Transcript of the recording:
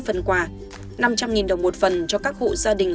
năm trăm linh đồng một phần cho các hộ gia đình có hoàn cảnh